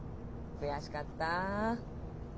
悔しかった。